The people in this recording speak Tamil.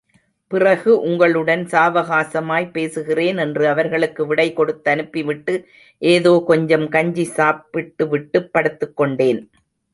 பிறகு உங்களுடன் சாவகாசமாய்ப் பேசுகிறேன் என்று அவர்களுக்கு விடை கொடுத்தனுப்பிவிட்டு, ஏதோ கொஞ்சம் கஞ்சி சாப்பிட்டுவிட்டுப் படுத்துக் கொண்டேன்.